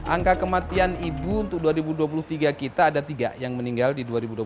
angka kematian ibu untuk dua ribu dua puluh tiga kita ada tiga yang meninggal di dua ribu dua puluh satu